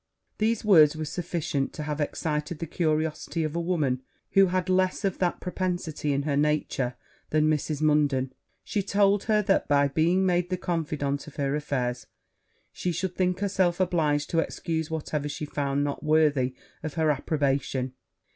These words were sufficient to have aroused the curiosity of a woman who had less of that propensity in her nature than Mrs. Munden; she told her that, by being made the confidante of her affairs, she should think herself obliged to excuse whatever she found not worthy of her approbation.